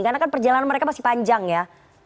karena kan perjalanan mereka masih panjang ya